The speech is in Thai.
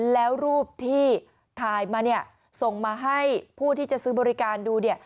แล้วรูปที่ถ่ายมาเนี่ยส่งมาให้ผู้ที่จะซื้อบริการดูเนี่ย